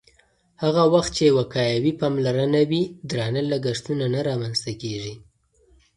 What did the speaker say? هغه وخت چې وقایوي پاملرنه وي، درانه لګښتونه نه رامنځته کېږي.